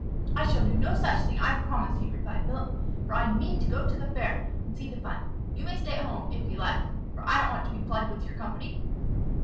"I shall do no such thing, I promise you," replied Philip; "for I mean to go to the fair, and see the fun. You may stay at home, if you like for I don't want to be plagued with your company."